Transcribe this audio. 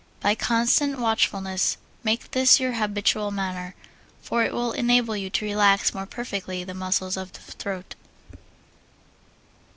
By constant watchfulness make this your habitual manner, for it will enable you to relax more perfectly the muscles of the throat.